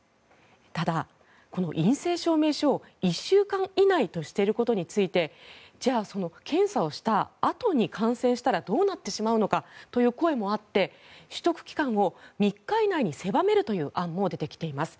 ただ、この陰性証明書を１週間以内としていることについてじゃあその検査をしたあとに感染したらどうなってしまうのかという声もあって、取得期間を３日以内に狭めるという案も出てきています。